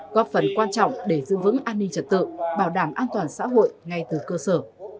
góp phần quan trọng để giữ vững an ninh trật tự bảo đảm an toàn xã hội ngay từ cơ sở